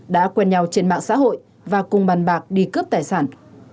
đã quen nhau trên mạng xã hội và cùng bàn bạc đi cướp tài sản